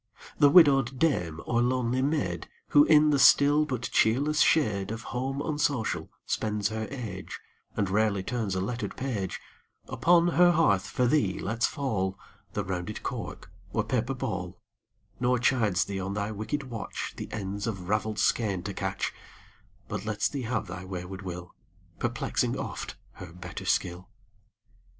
The widowed dame or lonely maid, Who, in the still but cheerless shade Of home unsocial, spends her age, And rarely turns a lettered page, Upon her hearth for thee lets fall The rounded cork or paper ball, Nor chides thee on thy wicked watch, The ends of raveled skein to catch, But lets thee have thy wayward will, Perplexing oft her better skill.